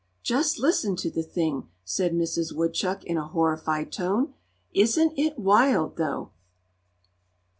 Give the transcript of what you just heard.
"Just listen to the thing!" said Mrs. Woodchuck, in a horrified tone. "Isn't it wild, though!"